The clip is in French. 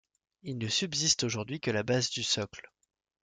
Il ne subsiste aujourd'hui que la base du socle.